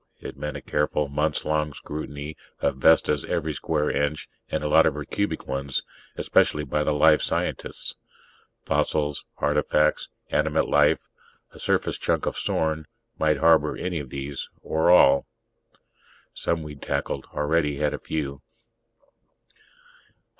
It meant a careful, months long scrutiny of Vesta's every square inch and a lot of her cubic ones, especially by the life scientists. Fossils, artifacts, animate life ... a surface chunk of Sorn might harbor any of these, or all. Some we'd tackled already had a few.